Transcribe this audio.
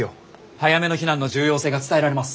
早めの避難の重要性が伝えられます。